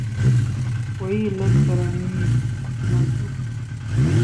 وہی لن ترانی سنا چاہتا ہوں